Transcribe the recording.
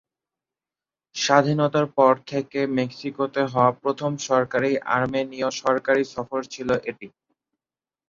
স্বাধীনতার পর থেকে মেক্সিকোতে হওয়া প্রথম সরকারি আর্মেনিয় সরকারি সফর ছিল এটি।